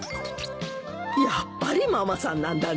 やっぱりママさんなんだね。